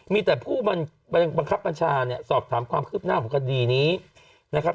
มีแต่ผู้บังคับบัญชาเนี่ยสอบถามความคืบหน้าของคดีนี้นะครับ